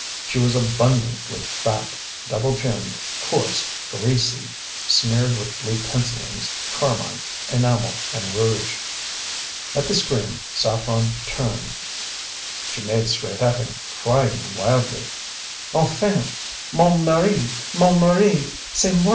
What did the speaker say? She was abundantly fat, double chinned, coarse, greasy, smeared with blue pencillings, carmine, enamel, and rouge. At the scream Saffren turned. She made straight at him, crying wildly: "Enfin! Mon mari, mon mari c'est moi!